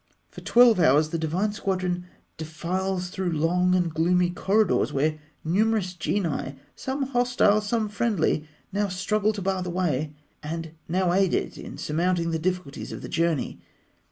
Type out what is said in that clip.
For twelve hours, the divine squadron defiles through long and gloomy corridors, where numerous genii, some hostile, some friendly, now struggle to bar the way, and now aid it in surmounting the difficulties of the journey.